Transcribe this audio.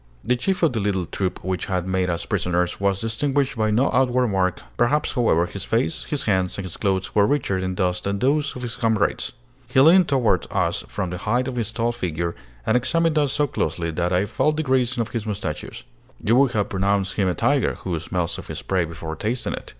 The chief of the little troop which had made us prisoners was distinguished by no outward mark. Perhaps, however, his face, his hands, and his clothes were richer in dust than those of his comrades. He leaned toward us from the height of his tall figure, and examined us so closely that I felt the grazing of his moustachios. You would have pronounced him a tiger, who smells of his prey before tasting it.